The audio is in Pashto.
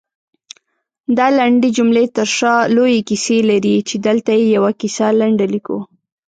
دالنډې جملې ترشا لويې کيسې لري، چې دلته يې يوه کيسه لنډه ليکو